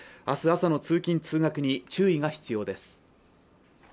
明日朝の通勤・通学に注意が必要です。